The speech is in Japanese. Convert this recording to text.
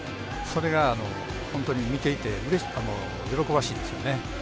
それが、本当に見ていて喜ばしいですよね。